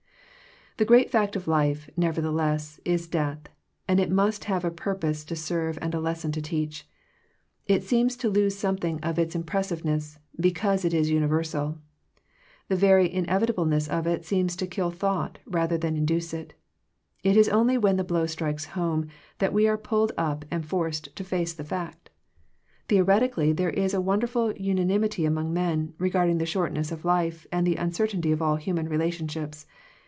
The great fact of life, nevertheless, is death, and it must have a purpose to serve and a lesson to teach. It seems to lose something of its impressiveness, be cause it is universal. The very inevi tableness of it seems to kill thought, rather than induce it. It is only when the blow strikes home, that we are pulled up and forced to face the fact. Theo retically there is a wonderful unanimity among men, regarding the shortness of life and the uncertainty of all human re lationships.